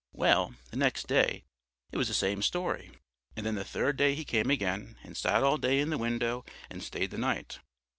"Well, the next day it was the same story, and then the third day he came again and sat all day in the window and stayed the night.